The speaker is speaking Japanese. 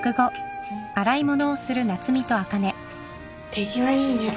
手際いいね。